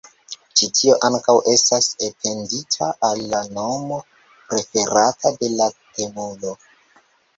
Ĉi tio ankaŭ estas etendita al la nomo preferata de la temulo.